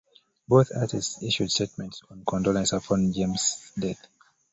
Both artists issued statements of condolence upon James's death.